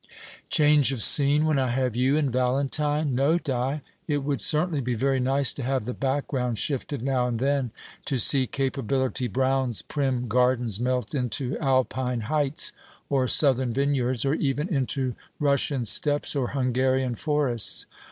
"Change of scene, when I have you and Valentine! No, Di. It would certainly be very nice to have the background shifted now and then; to see Capability Brown's prim gardens melt into Alpine heights or southern vineyards, or even into Russian steppes or Hungarian forests.